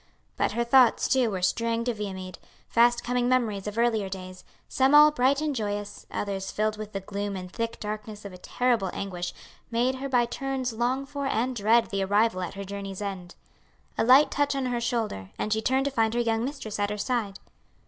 But her thoughts, too, were straying to Viamede; fast coming memories of earlier days, some all bright and joyous, others filled with the gloom and thick darkness of a terrible anguish, made her by turns long for and dread the arrival at her journey's end. A light touch on her shoulder, and she turned to find her young mistress at her side.